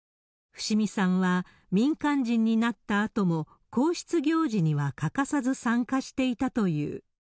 伏見さんは民間人になったあとも、皇室行事には欠かさず参加していたという。